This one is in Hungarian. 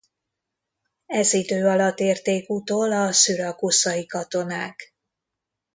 Ez idő alatt érték utol a szürakuszai katonák.